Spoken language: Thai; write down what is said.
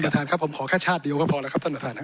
ท่านครับผมขอแค่ชาติเดียวก็พอแล้วครับท่านประธานครับ